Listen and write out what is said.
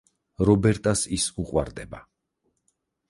რობერტას ის უყვარდება.